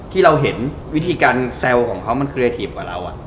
ที่เราเห็นวิธีการแซวของเขามันเคลียร์ทีฟกว่าเรา